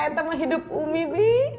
entanglah hidup umi b